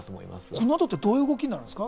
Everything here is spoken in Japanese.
この後どういう動きになるんですか？